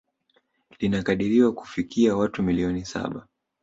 Linakadiriwa kufikia watu milioni saba